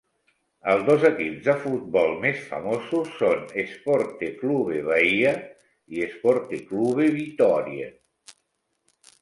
Els dos equips de futbol més famosos són Esporte Clube Bahia i Esporte Clube Vitoria.